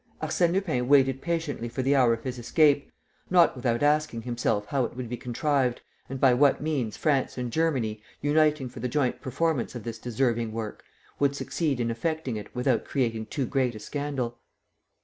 Arsène Lupin waited patiently for the hour of his escape, not without asking himself how it would be contrived and by what means France and Germany, uniting for the joint performance of this deserving work, would succeed in effecting it without creating too great a scandal.